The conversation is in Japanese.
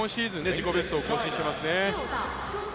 自己ベストを更新していますね。